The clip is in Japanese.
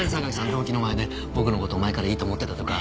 同期の前で僕の事前からいいと思ってたとか。